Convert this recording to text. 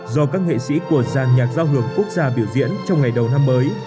do các nghệ sĩ của giàn nhạc giao hưởng quốc gia biểu diễn trong ngày đầu năm mới